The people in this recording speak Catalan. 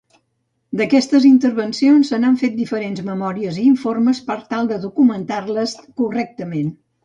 D'aquestes intervencions s'han fet diferents memòries i informes per tal de documentar-les correctament.